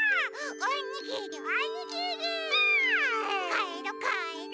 かえろかえろ！